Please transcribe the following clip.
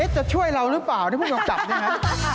จะช่วยเราหรือเปล่านี่ผู้กำกับนี่นะ